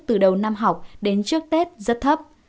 từ đầu năm học đến trước tết rất thấp